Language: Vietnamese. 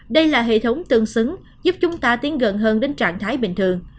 đây là hệ thống tương xứng giúp chúng ta tiến gần hơn đến trạng thái bình thường